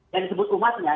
yang disebut umatnya